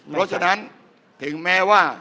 เพราะฉะนั้นถึงแม้ว่า